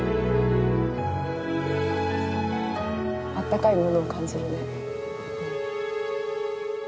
あったかいものを感じるね。